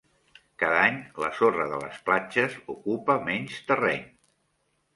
Cada any la sorra de les platges ocupa menys terreny.